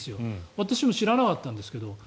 私も知らなかったんですけど。